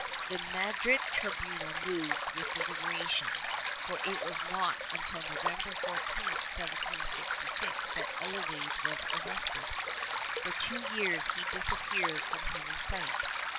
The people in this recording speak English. The Madrid tribunal moved with deliberation, for it was not until November 14, 1776, that Olavide was arrested. For two years he disappeared from human sight.